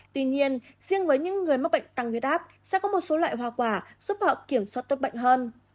tuy nhiên riêng với những người mắc bệnh tăng huyết áp sẽ có một số loại hoa quả giúp họ kiểm soát tốt bệnh hơn